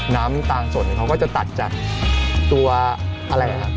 น้ำตาลสดเขาก็จะตัดจากตัวอะไรครับ